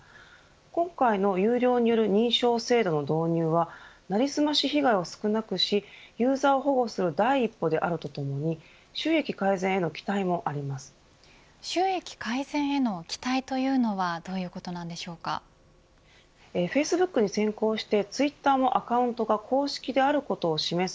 今回の有料による認証制度の導入は成り済まし被害を少なくしユーザーを保護する第一歩であるとともに収益改善への期待というのはフェイスブックに先行してツイッターもアカウントが公式であることを示す